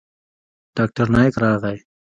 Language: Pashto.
ډاکتر نايک راغى.